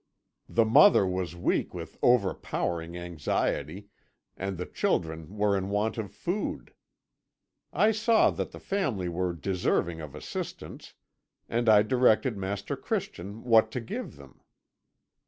The mother was weak with overpowering anxiety, and the children were in want of food. "I saw that the family were deserving of assistance, and I directed Master Christian what to give them.